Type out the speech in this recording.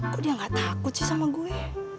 kok dia gak takut sih sama gue